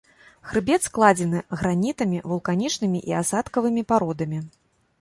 Хрыбет складзены гранітамі, вулканічнымі і асадкавымі пародамі.